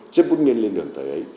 xếp phút nguyên lên đường tới